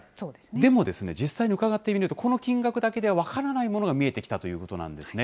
でも、実際に伺ってみると、この金額だけでは分からないものが見えてきたということなんですね。